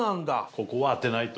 ここは当てないと！